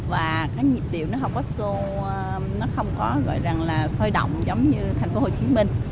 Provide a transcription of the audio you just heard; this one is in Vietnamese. và cái nhiệt điệu nó không có sôi động giống như thành phố hồ chí minh